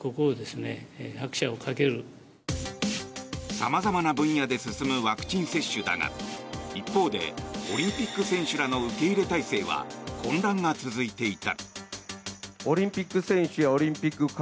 様々な分野で進むワクチン接種だが一方でオリンピック選手らの受け入れ態勢は混乱が続いていた。